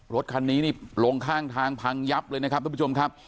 รถคันนี้นี่ลงข้างทางพังยับเลยนะครับทุกผู้ชมครับ